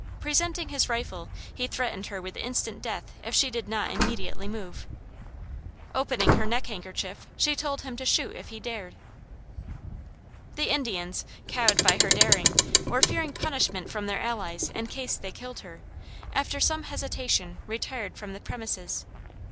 Presenting his rifle, he threatened her with instant death if she did not immediately move. Opening her neck handkerchief she told him to shoot if he dared. The Indians, cowed by her daring, or fearing punishment from their allies in case they killed her, after some hesitation retired from the premises.